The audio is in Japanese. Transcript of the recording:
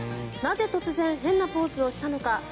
なぜ突然変なポーズをしたのか。